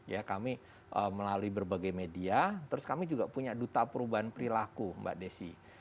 ya kami melalui berbagai media terus kami juga punya duta perubahan perilaku mbak desi